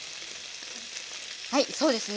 はいそうですね。